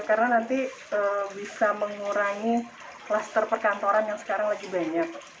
karena nanti bisa mengurangi kluster perkantoran yang sekarang lagi banyak